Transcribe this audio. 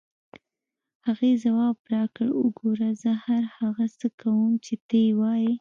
هغې ځواب راکړ: وګوره، زه هر هغه څه کوم چې ته یې وایې.